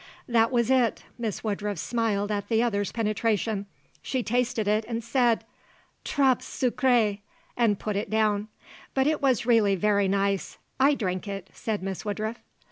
"That was it," Miss Woodruff smiled at the other's penetration. "She tasted it and said: 'Trop sucré,' and put it down. But it was really very nice. I drank it!" said Miss Woodruff.